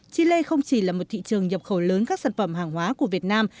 chile không chỉ là một thị trường nhập khẩu lớn các sản phẩm hàng hóa của việt nam